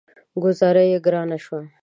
ګوذاره يې ګرانه شوه.